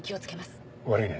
悪いね。